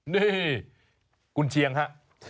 นี่กุญเชียงฮะ